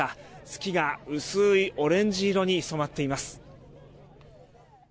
月が薄いオレンジ色に染まっています。